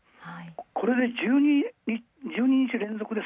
これで１２日連続です。